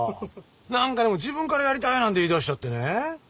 何かね自分からやりたいなんて言いだしちゃってね。